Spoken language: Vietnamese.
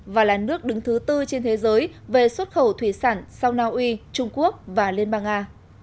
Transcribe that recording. và là nước đứng thứ tư trên thế giới về xuất khẩu thủy sản sau naui trung quốc và liên bang nga